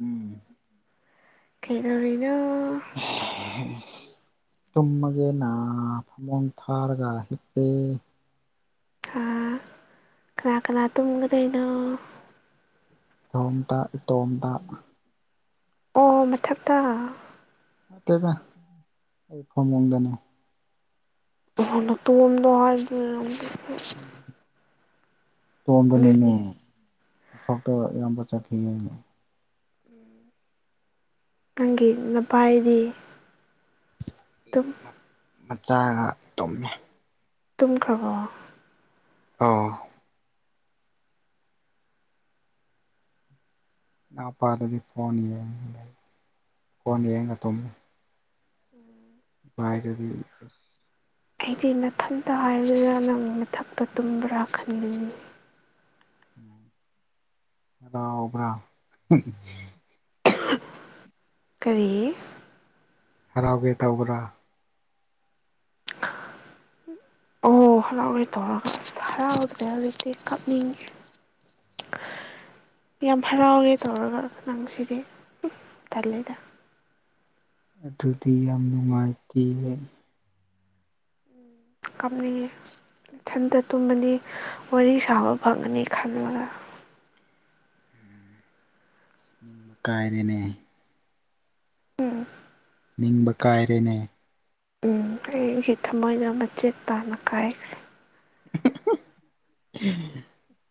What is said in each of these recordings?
ꯎꯝ ꯀꯩꯩꯅꯅ [unintelligible] ꯇꯨꯝꯃꯒꯦꯅ ꯐꯃꯣꯟ ꯊꯥꯔꯒ ꯍꯤꯞꯄꯦ ꯍꯥ ꯀꯅꯥ ꯀꯅꯥꯥ ꯇꯨꯝꯒꯗꯣꯏꯅꯣ ꯊꯣꯝꯇ ꯏꯇꯣꯝꯇ ꯑꯣ ꯃꯊꯛꯇ ꯑꯠꯇꯦꯗ ꯑꯩ ꯐꯣꯃꯗꯅꯣ ꯗ ꯍꯥꯏꯔꯒꯤ ꯄꯁꯦ ꯇꯣꯝꯗꯨꯅꯅꯦꯊꯇ ꯏꯌꯥꯝꯕ ꯆꯠꯈꯤ ꯍꯥꯏꯅꯦ ꯎꯝ ꯅꯪꯒꯤ ꯅꯚꯥꯏꯗꯤ ꯑꯗꯨꯝ ꯃꯆꯥꯒ ꯇꯝꯃꯤ ꯇꯝ ꯈ꯭ꯔꯕꯣ ꯑ ꯅ ꯄꯥꯗꯗꯤ ꯐꯣꯟ ꯌꯦꯡꯉ ꯐꯣꯟ ꯌꯦꯡꯒ ꯊꯨꯝꯃꯤ ꯎꯝ ꯃꯥꯔꯗꯤ ꯑꯩꯗꯤ ꯃꯊꯟꯇ ꯍꯥꯏꯔꯒ ꯅꯪ ꯃꯊꯛꯇ ꯇꯨꯝꯕ꯭ꯔꯥ ꯈꯟꯅꯤꯡꯉꯤ ꯥꯎꯕ꯭ꯔꯥ ꯀꯔꯤ ꯍꯔꯥꯎꯒꯦ ꯇꯧꯕ꯭ꯔꯥ [unintelligible] ꯑꯣ ꯍꯔꯥꯎꯦ ꯇꯧꯔꯒ ꯑꯁ ꯍꯔꯥꯎꯗ꯭ꯔꯦ ꯍꯧꯖꯤꯛꯇꯤ ꯀꯞꯅꯤꯡꯉꯦ [unintelligible] ꯌꯥꯝ ꯍꯔꯥꯎꯒꯦ ꯇꯧꯔꯒ ꯅꯪ ꯁꯤꯗꯤ ꯇꯂꯗ ꯑꯗꯨꯗꯤ ꯌꯥꯝ ꯅꯨꯡꯉꯥꯏꯇꯦ ꯀꯝꯅꯤ ꯏꯊꯟꯇ ꯇꯨꯝꯃꯅꯤ ꯋꯥꯔꯤ ꯁꯥꯕ ꯐꯪꯉꯅꯤ ꯈꯜꯂꯒ ꯅꯤꯡꯕ ꯀꯥꯏꯔꯦꯅꯦ ꯎꯝ ꯅꯤꯡꯕ ꯀꯥꯏꯔꯦꯅꯦ ꯎꯝ ꯑꯩꯒꯤ ꯊꯃꯣꯏꯅ ꯃꯆꯦꯠ ꯇꯥꯅ ꯀꯥꯏꯈ꯭ꯔꯦ [unintelligible]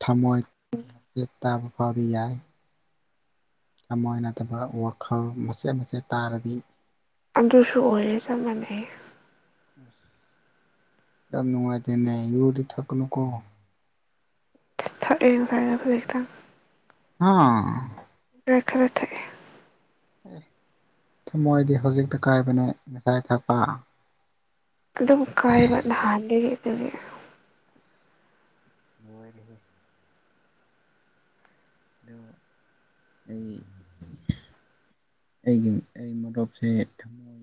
ꯊꯝꯃꯣꯏ ꯃꯆꯦꯠ ꯇꯥꯕ ꯐꯥꯎꯕ ꯌꯥꯏ ꯊꯃꯥꯏꯅꯗꯕ ꯋꯥꯈꯜ ꯃꯆꯦꯠ ꯃꯆꯦꯠ ꯇꯥꯔꯗꯤ ꯑꯗꯨꯁꯨ ꯑꯣꯏꯔꯦ ꯆꯞ ꯃꯥꯟꯅꯩ ꯌꯥꯝ ꯅꯨꯡꯉꯥꯏꯇꯦꯅꯦ ꯌꯗꯤ ꯊꯀꯅꯨꯀꯣ ꯊꯔ ꯊ ꯑꯥ ꯦꯦꯊꯒꯦ ꯑꯦ ꯊꯃꯣꯏꯗꯤ ꯍꯧꯖꯤꯛꯇ ꯀꯥꯏꯕꯅꯦ ꯉꯁꯥꯏ ꯊꯛꯄ ꯑꯗꯨꯗꯒꯤ ꯂꯣꯏꯗ ꯍꯦ ꯗꯣ ꯑꯩ ꯑꯩꯒꯤ ꯑꯩ ꯃꯣꯇꯣꯞꯁꯦ ꯊꯝꯃꯣꯏ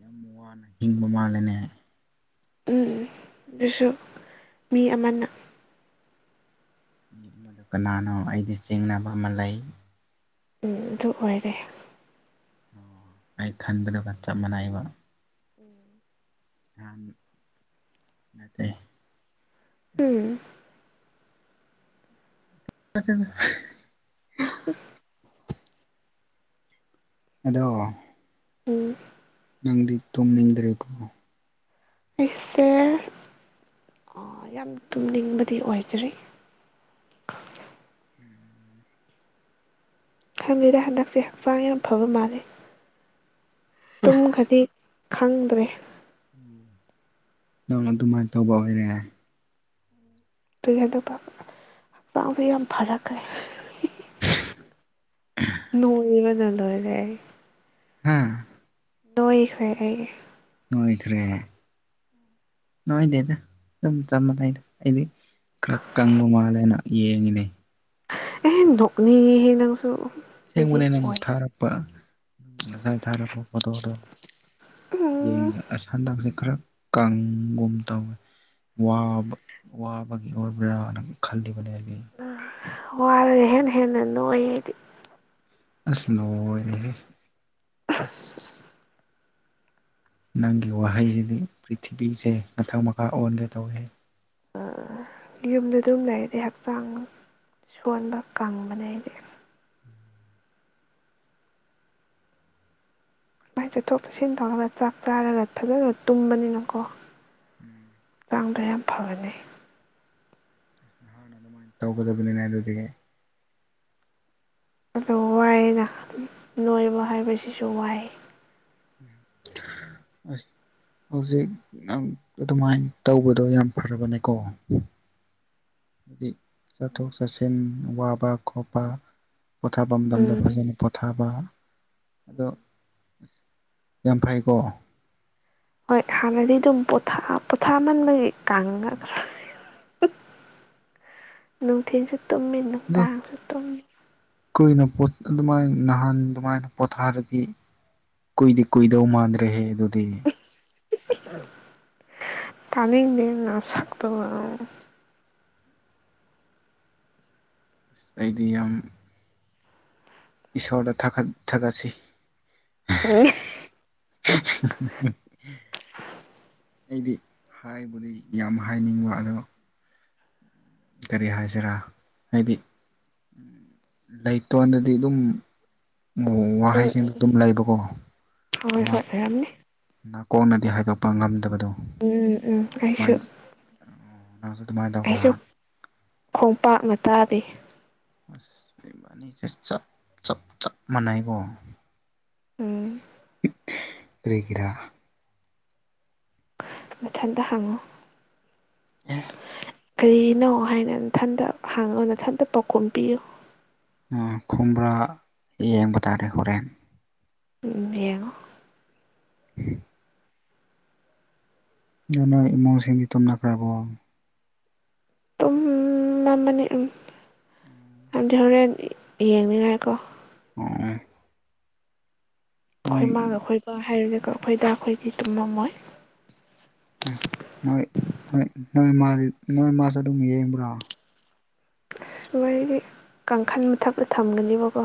ꯌꯥꯝ ꯋꯥꯅ ꯍꯤꯡꯕ ꯃꯥꯜꯂꯦꯅꯦ ꯎꯝ ꯑꯗꯨꯁꯨ ꯃꯤ ꯑꯃꯅ ꯃꯤ ꯑꯃꯗ ꯀꯅꯥꯅꯣ ꯑꯩꯗꯤ ꯆꯤꯡꯅꯕ ꯑꯃ ꯂꯩ ꯎꯝ ꯑꯗꯨ ꯑꯣꯏꯔꯦ ꯑꯣ ꯑꯩ ꯈꯟꯕꯗꯒ ꯆꯞ ꯃꯥꯟꯅꯩꯕ ꯅꯥꯟ ꯅꯠꯇꯦ ꯑꯁ ꯎꯝ ꯐ ꯑꯗꯣ ꯎꯝ ꯅꯪꯗꯤ ꯇꯨꯝꯅꯤꯡꯗ꯭ꯔꯦꯀꯣ ꯑꯁꯦ ꯌꯥꯝ ꯇꯨꯝꯅꯤꯡꯕꯗꯤ ꯑꯣꯏꯖꯔꯤ ꯎꯝ ꯈꯕꯤꯗ ꯍꯟꯗꯛꯁꯦ ꯍꯛꯆꯥꯡ ꯌꯥꯝ ꯐꯕ ꯃꯥꯂꯦ ꯇꯨꯝ ꯈꯗꯤ ꯈꯪꯗ꯭ꯔꯦ ꯅꯧꯅ ꯑꯗꯨꯃꯥꯏꯅ ꯇꯧꯕ ꯑꯣꯏꯔꯦ ꯑꯗꯨ ꯀꯗ ꯍꯛꯆꯥꯡꯁ ꯌꯥꯝ ꯐꯔꯛꯈ꯭ꯔꯦ ꯂ ꯂꯩ ꯍꯥꯥ ꯂꯏ ꯈꯔꯦ ꯣꯏꯗ꯭ꯔꯦ ꯅꯣꯏꯗꯦꯗ ꯑꯗꯨꯝ ꯆꯞ ꯃꯥꯟꯅꯩꯗ ꯑꯩꯗꯤ ꯀ꯭ꯔ ꯀꯪꯒꯨ ꯃꯥꯂꯅ ꯌꯦꯉꯅꯦꯦ ꯑꯦꯍ ꯅꯣꯛꯅꯤ ꯍꯦ ꯅꯪꯁꯨꯣ ꯁꯦꯡꯕꯅꯦ ꯅꯪ ꯊꯥꯔꯛꯄ ꯉꯁꯥꯏ ꯊꯥꯔꯛꯄ ꯄꯣꯇꯣꯗꯣ ꯎꯝ ꯌꯦꯡꯒ ꯍꯟꯗꯥꯛꯁꯦ ꯈꯔ ꯀꯥꯡꯒꯨꯝ ꯇꯧꯋꯦ ꯋꯥꯕ ꯋꯥꯕꯒꯤ ꯑꯣꯏꯕ꯭ꯔꯥꯅ ꯈꯜꯂꯤꯕꯅꯦ ꯍꯥꯏꯗꯤ ꯋꯥꯦ ꯍꯦ ꯍꯦꯟꯅ ꯅꯣꯗꯤ ꯑꯁꯅ ꯑꯣꯏꯔꯤꯦ ꯑ ꯅꯪꯒꯤ ꯋꯥꯍꯩꯁꯤꯗꯤ ꯄ꯭ꯔꯤꯊꯤꯕꯤꯁꯦ ꯃꯊꯛ ꯃꯈꯥ ꯑꯣꯟꯒꯦ ꯇꯧꯏꯦ ꯑ ꯌꯨꯝꯗ ꯑꯗꯨꯝ ꯂꯩꯔꯗꯤꯦ ꯍꯛꯆꯥꯡ ꯁꯣꯟꯕ ꯀꯪꯕꯅꯦ ꯑꯩꯗꯤ ꯃꯥꯏ ꯆꯠꯊꯣꯛ ꯆꯠꯁꯤꯟ ꯇꯧꯔꯒ ꯆꯥꯛ ꯆꯥꯔꯒ ꯐꯖꯅ ꯇꯨꯝꯕꯅꯤꯅꯀꯣ ꯀꯥꯡꯕ ꯌꯥꯝ ꯐꯒꯅꯤ ꯑꯁ ꯍꯥꯟꯅ ꯑꯗꯨꯃꯥꯏꯅ ꯇꯧꯒꯗꯕꯅꯤꯅ ꯑꯗꯨꯗꯤ ꯑꯗꯣ ꯋꯥꯏꯅ ꯅꯣꯏꯕ ꯍꯥꯏꯕꯁꯤꯁꯨ ꯋꯥꯏ ꯑ ꯍꯧꯖꯤꯛ ꯅꯪ ꯑꯗꯨꯃꯥꯏꯅ ꯇꯧꯕꯗꯣ ꯌꯥꯝ ꯐꯔꯕꯅꯦꯀꯣ ꯍꯥꯏꯗꯤ ꯆꯠꯊꯣꯛ ꯆꯠꯁꯤꯟ ꯋꯥꯕ ꯈꯣꯠꯄ ꯄꯣꯊꯥꯕ ꯃꯇꯝꯗ ꯐꯖꯅ ꯄꯣꯊꯥꯕ ꯑꯗꯣ ꯎꯝ ꯌꯥꯝ ꯐꯩꯀꯣ ꯍꯣꯏ ꯍꯥꯟꯅꯗꯤ ꯑꯗꯨꯝ ꯄꯣꯊꯥ ꯄꯣꯊꯥꯃꯟꯕꯒꯤ ꯀꯥꯡꯒ ꯈ ꯅꯨꯡꯊꯤꯟꯁꯨ ꯇꯨꯝꯃꯤ ꯑꯗꯣ ꯅꯨꯡꯗꯥꯡꯁꯨ ꯇꯨꯝꯃꯤ ꯀꯨꯏꯅ ꯑꯗꯨꯃꯥꯏꯅ ꯅꯍꯥꯟ ꯑꯗꯨꯃꯥꯏꯅ ꯄꯣꯊꯥꯔꯗꯤ ꯀꯨꯏꯗꯤ ꯀꯨꯏꯗꯧ ꯃꯥꯟꯗ꯭ꯔꯦꯍꯦ ꯑꯗꯨꯗꯤ ꯇꯥꯅꯤꯡꯗꯦ ꯅꯁꯛꯇꯨꯒ ꯅꯪ ꯑꯩꯗꯤ ꯌꯥꯝ ꯏꯁꯣꯔꯗ ꯊꯒꯠ ꯊꯒꯠꯁꯤ ꯑ ꯑꯩꯗꯤ ꯍꯥꯏꯕꯗ ꯌꯥꯝ ꯍꯥꯏꯅꯤꯡꯕ ꯑꯗꯣ ꯀꯔꯤ ꯍꯥꯏꯁꯤꯔꯥ ꯍꯥꯏꯗꯤ ꯂꯩꯇꯣꯟꯗꯗꯤ ꯑꯗꯨꯝ ꯋꯥꯍꯩꯁꯤꯡꯗꯣ ꯎꯝ ꯑꯗꯨꯝ ꯂꯩꯕꯀꯣ ꯍꯣꯏ ꯉ ꯍꯣꯏ ꯑꯣꯏꯔꯝꯅꯤ ꯅꯥꯀꯣꯡꯅꯗꯤ ꯍꯥꯏꯗꯣꯛꯄ ꯉꯝꯗꯕꯗꯣ ꯎꯝ ꯎꯝ ꯑꯩꯁꯨ ꯑꯗꯨꯃꯥꯏꯅ ꯅꯪꯁꯨ ꯑꯗꯨꯃꯥꯏꯅ ꯇꯧꯕ꯭ꯔꯥ ꯑꯩꯁꯨ ꯈꯣꯡꯄꯥꯛꯅ ꯇꯥꯗꯦ ꯑꯁ ꯅꯤ ꯆꯞ ꯆꯞ ꯆꯞ ꯃꯅꯥꯏꯀꯣ ꯎꯝ ꯀ꯭ꯔꯤꯒꯤꯔꯥ ꯃꯊꯟꯇꯥ ꯍꯥꯡꯉꯨ ꯑꯦ ꯀꯔꯤꯅꯣ ꯍꯥꯏꯅ ꯏꯊꯟꯇ ꯍꯥꯡꯉꯣ ꯏꯊꯟꯇ ꯄꯥꯎꯈꯣꯝ ꯄꯤꯌꯨ ꯈꯣꯡꯕ꯭ꯔꯥ ꯌꯦꯡꯕ ꯇꯥꯔꯦ ꯍꯣꯔꯦꯟ ꯎꯝ ꯌꯦꯉꯣ ꯎꯃ ꯅꯣꯢ ꯏꯃꯨꯡꯁꯤꯡꯗꯤ ꯇꯨꯝꯅꯈ꯭ꯔꯕꯣ ꯇꯨꯝꯃꯝꯃꯅꯤ ꯎꯝ ꯍꯥꯢꯗꯤ ꯍꯣꯔꯦꯟ ꯌꯦꯡꯅꯤꯡꯉꯥꯏꯀꯣ ꯎꯝ ꯑꯩꯈꯣꯏ ꯃꯥꯒ ꯈꯣꯏꯒ ꯍꯥꯏꯔꯤꯁꯦꯀ ꯑꯩꯈꯣꯏꯗ ꯑꯩꯈꯣꯏꯗꯤ ꯇꯨꯝꯃꯝꯃꯣꯏ ꯎꯝ ꯅꯣꯏ ꯅꯣꯏ ꯃꯥꯗꯤ ꯅꯣꯏ ꯃꯥꯁꯨ ꯑꯗꯨꯝ ꯌꯦꯡꯕ꯭ꯔꯣ ꯑꯁꯃꯥꯏꯒꯤ ꯀꯥꯡꯈꯜ ꯃꯊꯞꯇ ꯊꯝꯒꯅꯦꯕꯀꯣ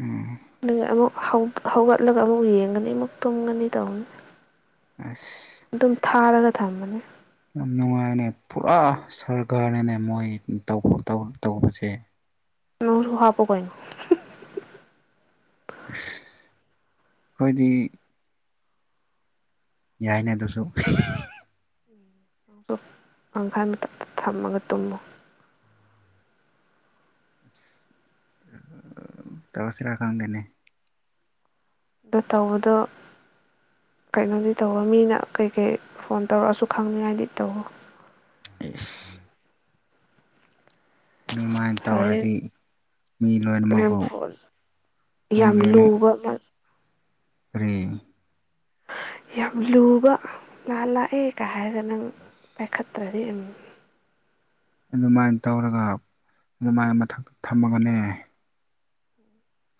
ꯎꯝ ꯅꯪ ꯑꯃꯨꯛ ꯍꯧꯒꯠꯂꯒ ꯑꯃꯨꯛ ꯌꯦꯡꯒꯅꯤ ꯑꯃꯨꯛ ꯇꯨꯝꯒꯅꯤ ꯇꯧꯅꯤ ꯑꯁ ꯊꯥꯔꯒ ꯊꯝꯕꯅꯤ ꯌꯥꯝ ꯅꯨꯡꯉꯥꯏꯅꯦ ꯄꯨꯔꯥ ꯁꯔꯀꯥꯔꯅꯅꯦ ꯃꯣꯏ ꯇꯧꯕꯁꯦ ꯅꯣꯢꯖꯨ ꯍꯥꯄꯨ ꯀꯩꯅꯣ ꯑꯩꯈꯣꯏꯗꯤ ꯌꯥꯏꯅꯦ ꯑꯗꯨꯁꯨ ꯎꯝ ꯄꯪꯈꯥꯏ ꯃꯊꯛꯇ ꯊꯝꯃꯒ ꯇꯨꯝꯃꯨ ꯇꯁꯤꯔꯥ ꯈꯪꯗꯅꯦ ꯑꯗꯣ ꯇꯧꯕꯗꯣ ꯀꯩꯅꯣꯗꯤ ꯇꯧꯋ ꯃꯤꯅ ꯀꯩꯀꯩ ꯐꯣꯟ ꯇꯧꯔꯛꯑꯁꯨ ꯈꯪꯅꯤꯉꯥꯏꯗꯤ ꯇꯧꯋꯣ ꯑꯦ ꯑꯗꯨꯃꯥꯏꯅ ꯍꯣꯔꯦꯟ ꯇꯧꯔꯗꯤ ꯃꯤ ꯅꯪ ꯂꯣꯏꯅꯃꯛꯄꯨ ꯐꯣꯟ ꯃꯤ ꯌꯥꯝ ꯂꯣꯏꯅ ꯂꯨꯕ [unintelligible] ꯌꯥꯝ ꯂꯨꯕ ꯂ ꯂꯥꯛꯑꯦ ꯀ ꯍꯥꯏꯔꯒ ꯅꯪ ꯄꯥꯏꯈꯠ ꯑꯗꯤ ꯑꯗꯨꯃꯥꯏꯅ ꯇꯧꯔꯒ ꯑꯗꯨꯃꯥꯏꯅ ꯃꯊꯛꯇ ꯊꯝꯃꯒꯅꯦ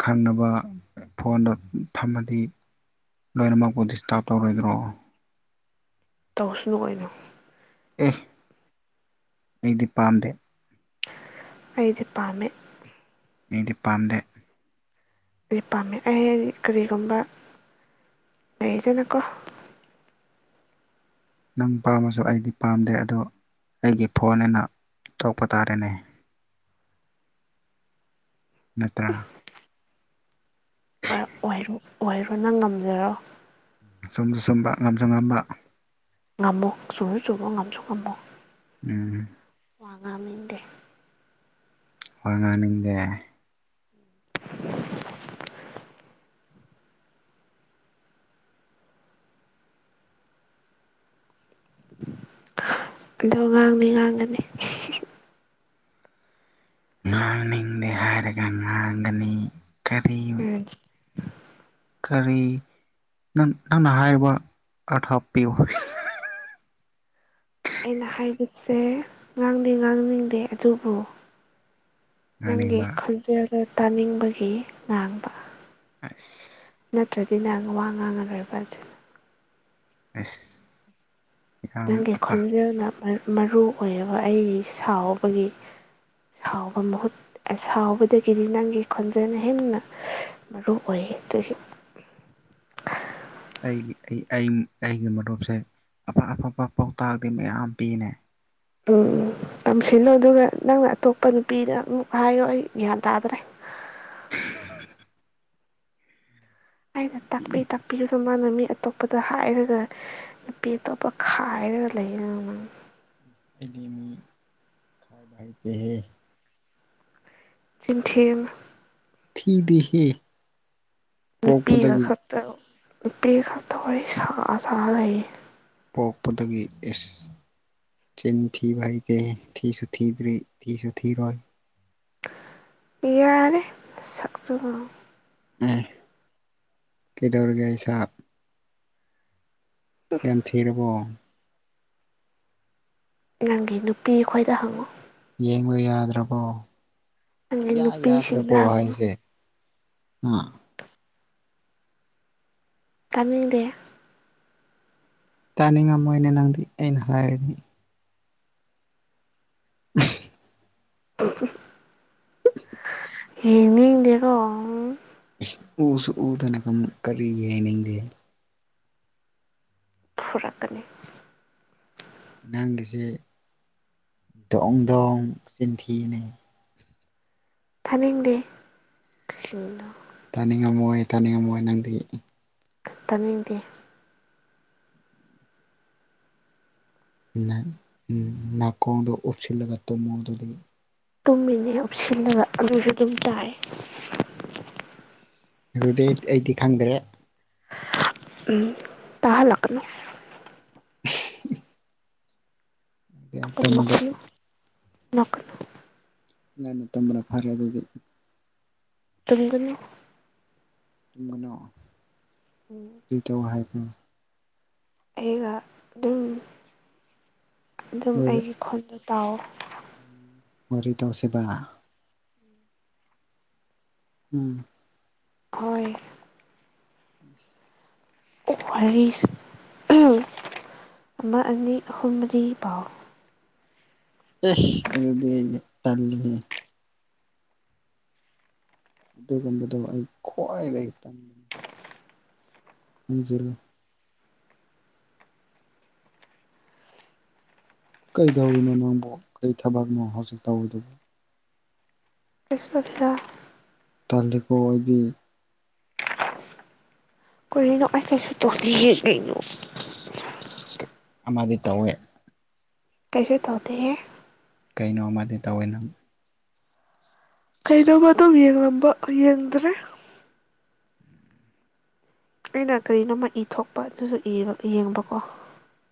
ꯈꯪꯅꯕ ꯐꯣꯟꯗ ꯊꯝꯃꯗꯤ ꯂꯣꯏꯅꯃꯛꯄꯨ ꯗꯤꯁꯇꯥꯔꯕ ꯇꯧꯔꯣꯏꯗ꯭ꯔꯣ ꯇꯧꯁꯅꯨ ꯑꯣꯏꯅ ꯑꯦ ꯑꯩꯗꯤ ꯄꯥꯝꯗꯦ ꯑꯩꯗꯤ ꯄꯃꯦ ꯑꯩꯗꯤ ꯄꯥꯝꯗꯦ ꯑꯗꯨ ꯄꯥꯝꯃꯦ ꯑꯩꯗꯤ ꯀꯔꯤꯒꯨꯝꯕ ꯂꯩꯗꯅꯀꯣ ꯅꯪ ꯄꯥꯃꯁꯨ ꯑꯩꯗꯤ ꯄꯥꯝꯗꯦ ꯑꯗꯨꯣ ꯑꯩꯒꯤ ꯐꯣꯟ ꯑꯅ ꯇꯄ ꯇꯥꯔꯦꯅꯦ ꯅꯠꯇ꯭ꯔꯥ ꯑꯣꯏꯔꯣ ꯑꯣꯏꯔꯣ ꯅꯪ ꯉꯝꯖꯔꯣ ꯁꯨꯝꯁꯨ ꯁꯨꯝꯕ ꯉꯝꯁꯨ ꯉꯝꯕ ꯉꯝꯃꯣ ꯆꯨꯝꯁꯨ ꯆꯨꯝꯃꯣ ꯉꯝꯁꯨ ꯉꯝꯃꯣ ꯎꯝ ꯋꯥ ꯉꯥꯡꯅꯤꯡꯗꯦ ꯋꯥ ꯉꯥꯡꯅꯤꯡꯗꯦ ꯑꯗꯣ ꯉꯥꯡꯗꯤ ꯉꯥꯡꯒꯅꯤ ꯉꯥꯡꯅꯤꯡꯗꯦ ꯍꯥꯏꯔꯒ ꯉꯥꯡꯒꯅꯤ ꯀ ꯎꯝ ꯀꯔꯤ ꯅꯪ ꯅꯪꯅ ꯍꯥꯏꯔꯤꯕ ꯑꯥꯔꯊ ꯄꯤꯌꯨ꯫ ꯑꯩꯅ ꯍꯥꯏꯕꯁꯦ ꯉꯥꯡꯗꯦ ꯉꯥꯡꯅꯤꯡꯗꯦ ꯑꯗꯨꯕꯨ ꯅꯪꯒꯤ ꯉꯥꯡꯅꯤꯡꯕ ꯈꯣꯟꯖꯦꯜꯗꯣ ꯇꯥꯅꯤꯡꯕꯒꯤ ꯉꯥꯡꯕ꯫ ꯑꯁ ꯅꯠꯇ꯭ꯔꯗꯤꯅꯦ ꯋꯥ ꯉꯥꯡꯉꯔꯣꯏꯕ ꯑꯗꯨꯅ ꯑꯁ ꯌꯥꯝ ꯅꯪꯒꯤ ꯑꯐ ꯈꯣꯟꯖꯦꯜꯅ ꯃꯔ ꯃꯔꯨ ꯑꯣꯏꯔꯕ ꯑꯩꯒꯤ ꯁꯥꯎꯕꯒꯤ ꯁꯥꯎꯕ ꯃꯍꯨꯠ ꯑꯁꯥꯎꯕꯗꯒꯤꯗꯤ ꯅꯪꯒꯤ ꯈꯣꯟꯖꯦꯟꯅ ꯍꯦꯟꯅ ꯃꯔꯨ ꯑꯣꯏꯌꯦ꯫ ꯑꯦ ꯑꯗꯨꯒꯤ ꯏꯒꯤ ꯑꯩ ꯑꯩ ꯑꯩꯒꯤ ꯃꯔꯨꯞꯁꯦ ꯑꯐ ꯑꯐꯕ ꯄꯥꯎꯇꯥꯛꯗꯤ ꯃꯌꯥꯝ ꯄꯤꯌꯦꯅꯦ꯫ ꯎꯝ ꯇꯝꯁꯤꯜꯂꯨ ꯑꯗꯨꯒ ꯅꯪꯅ ꯑꯇꯣꯞꯄ ꯅꯨꯄꯤꯗ ꯑꯃꯨꯛ ꯍꯥꯏꯌꯣ ꯑꯩ ꯒ꯭ꯌꯥꯟ ꯇꯥꯗ꯭ꯔꯦ꯫ [unintelligible] ꯑꯩꯅ ꯇꯥꯛꯄꯤ ꯇꯥꯛꯄꯤ ꯑ ꯃꯥꯅ ꯃꯤ ꯑꯇꯣꯞꯄꯗ ꯍꯥꯏꯔꯒ ꯅꯨꯄꯤ ꯑꯇꯣꯞꯄ ꯈꯥꯏꯔꯒ ꯂꯩꯌꯦꯅ ꯅꯡ꯫ ꯗꯤ ꯃꯤ ꯈꯥꯏꯕ ꯍꯩꯇꯦꯍꯦ ꯆꯤꯟ ꯊꯤꯔꯅꯨ ꯊꯤꯗꯦꯍꯦ ꯅꯨꯄꯤꯒ ꯈꯠꯇ ꯅꯨꯄꯤꯒ ꯈꯠꯇ ꯋꯥꯔꯤ ꯁꯥ ꯁꯥ ꯂꯩꯌꯦ꯫ ꯄꯣꯛꯄꯗꯒꯤ ꯏꯁ ꯆꯤꯟ ꯊꯤꯕ ꯍꯩꯇꯦꯍꯦ ꯊꯤꯁꯨ ꯊꯤꯗ꯭ꯔꯤ ꯊꯤꯁꯨ ꯊꯤꯔꯣꯏ꯫ ꯏꯌꯥꯔꯦ ꯁꯛꯇꯨꯒ ꯑꯦ ꯀꯩꯗꯧꯔꯤꯒꯦ ꯏꯁꯥ ꯒꯟꯊꯤꯔꯔꯕꯣ ꯅꯪꯒꯤ ꯅꯨꯄꯤ ꯈꯣꯏꯗ ꯍꯪꯉꯨ ꯌꯦꯡꯕ ꯌꯥꯗ꯭ꯔꯕꯣ ꯅꯪꯒꯤ ꯏꯌꯥ ꯅꯨꯄꯤꯁꯤꯡꯗ ꯌꯥꯗ꯭ꯔꯕꯣ ꯍꯪꯉꯨ ꯍꯥꯏꯖꯦ ꯉꯥ ꯇꯥꯅꯤꯡꯗꯦꯍꯦ ꯇꯥꯅꯤꯡꯉꯝꯃꯣꯏꯅꯦ ꯅꯪꯗꯤ ꯑꯩꯅ ꯍꯥꯏꯔꯗꯤ [unintelligible] [unintelligible] ꯌꯦꯡꯅꯤꯡꯗꯦꯀꯣ ꯎꯁꯨ ꯎꯗꯅ ꯀꯝ ꯀꯔꯤꯒꯤ ꯌꯦꯡꯅꯤꯡꯗꯦ꯫ ꯐꯨꯔꯛꯀꯅꯤ ꯅꯪꯒꯤꯁꯦ ꯗꯣꯡ ꯗꯣꯡ ꯆꯤꯟꯊꯤꯅꯦ ꯐꯅꯤꯡꯗꯦ [unintelligible] ꯇꯥꯅꯤꯡꯉꯝꯃꯣꯏ ꯇꯥꯅꯤꯡꯉꯝꯃꯣꯏ ꯅꯪꯗꯤ ꯈ ꯇꯥꯅꯤꯡꯗꯦ ꯅ ꯎꯝ ꯅꯥꯀꯣꯡꯗꯣ ꯑꯣꯞꯁꯤꯜꯂꯒ ꯇꯨꯃꯣ ꯑꯗꯨꯗꯤ꯫ ꯇꯨꯝꯃꯤꯅꯦ ꯎꯞꯁꯤꯜꯂꯒ ꯑꯗꯨꯁꯨ ꯑꯗꯨꯝ ꯇꯥꯏ꯫ ꯑꯗꯨꯗꯤ ꯑꯩ ꯑꯩꯗꯤ ꯈꯪꯗ꯭ꯔꯦ ꯎꯝ ꯇꯥꯍꯜꯂꯛꯀꯅꯨ [unintelligible] ꯑꯗꯨꯗꯤ ꯑꯩ ꯇꯨꯝꯃꯒꯦ ꯂꯀꯅ ꯉꯪꯅ ꯇꯝꯕ꯭ꯔꯥ ꯐꯔꯦ ꯑꯗꯨꯗꯤ ꯇꯨꯡꯒꯅ ꯇꯅ ꯎꯝ ꯀꯔꯤꯗ ꯍꯥꯏꯕ ꯑꯩꯒ ꯑꯗꯨꯝ ꯑꯗꯨꯝ ꯑꯩꯒꯤ ꯈꯨꯣꯟꯗꯣ ꯇꯥꯎ ꯑꯣꯏ ꯇꯁꯦꯕ ꯎꯝ ꯍꯣꯏ ꯎꯝ ꯎ ꯍꯥꯏꯔꯤꯁ ꯎ ꯑꯃ ꯑꯅꯤ ꯍꯨꯝꯔꯤ ꯄꯥꯎ ꯑꯦꯕꯗꯤ ꯆ ꯑꯗꯨꯒꯨꯝꯕꯗꯣ ꯑꯩ ꯈ꯭ꯋꯥꯏꯗꯒꯤ ꯄꯟꯕꯅꯤ ꯀꯟꯖꯔ ꯀꯩꯗꯧꯔꯤꯅꯣ ꯅꯪꯕꯨ ꯀꯔꯤ ꯊꯕꯛꯅꯣ ꯍꯧꯖꯤꯛ ꯇꯧꯔꯤꯗꯨꯕꯨ ꯑꯥ ꯇꯜꯂꯤꯀ ꯑꯩꯗꯤ ꯀꯔꯤꯅꯣ ꯑꯩ ꯀꯩꯁꯨ ꯇꯣꯜꯂꯤꯦ ꯀꯩꯅꯣ ꯑꯃꯗꯤ ꯇꯧꯋꯦ ꯀꯩꯁꯦ ꯇꯗ ꯍ ꯀꯩꯅꯣ ꯑꯃꯗꯤ ꯇꯧꯋꯦꯅ ꯀꯩꯗꯧꯕ ꯑꯗꯨꯝ ꯌꯦꯡꯝꯕ ꯌꯦꯡꯗ꯭ꯔꯦ ꯑꯩꯅ ꯀꯔꯤꯅꯣꯝꯃ ꯏ ꯊꯣꯛꯄ ꯑꯗꯨꯁꯨ ꯌꯦꯡꯕꯀꯣ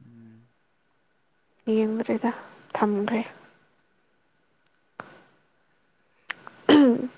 ꯎꯝ ꯌꯦꯡꯗ꯭ꯔꯦꯗ ꯊꯥꯃ꯭ꯔꯦ ꯎꯝ